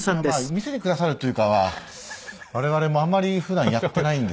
見せてくださるというか我々もあんまり普段やってないんですけども。